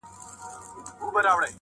او دغه راز په مسکو کي د مرحوم